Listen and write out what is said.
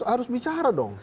harus bicara dong